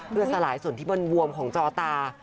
เพื่อสลายส่วนที่มันบวมของจอตา